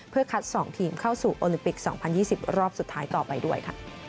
เพื่อคัด๒ทีมเข้าสู่โอลิมปิก๒๐๒๐รอบสุดท้ายต่อไปด้วยค่ะ